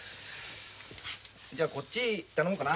じゃこっち頼もうかな。